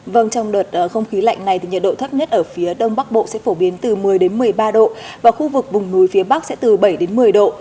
vâng trong đợt không khí lạnh này thì nhiệt độ thấp nhất ở phía đông bắc bộ sẽ phổ biến từ một mươi một mươi ba độ và khu vực vùng núi phía bắc sẽ từ bảy đến một mươi độ